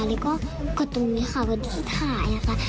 แล้วก็กดตรงนี้ค่ะกดที่ถ่ายนะคะ